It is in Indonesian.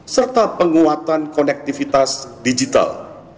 serta penguatan konektivitas digital